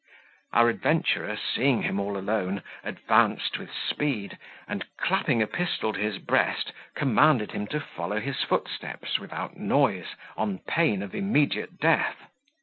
Our adventurer, seeing him all alone, advanced with speed, and clapping a pistol to his breast, commanded him to follow his footsteps without noise, on pain of immediate death.